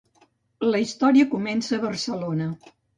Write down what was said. La història comença a Barcelona.